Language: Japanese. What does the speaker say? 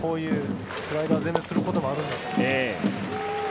スライダー攻めすることもあるんだと。